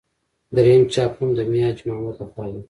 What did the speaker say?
درېیم چاپ هم د میا حاجي محمد له خوا دی.